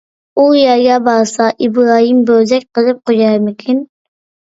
ئۇ يەرگە بارسا ئىبراھىم بوزەك قىلىپ قويارمىكىن.